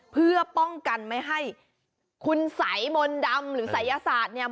เพื่อป้องกันไม่ให้คุณสัยมนต์ดำหรือศัยศาสตร์เนี่ย